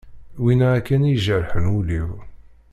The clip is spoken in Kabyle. Wina akken i ijerḥen ul-iw.